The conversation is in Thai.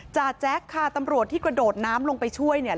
จแจ๊คค่ะตำรวจที่กระโดดน้ำลงไปช่วยเนี่ย